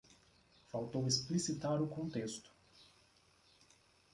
Faltou explicitar o contexto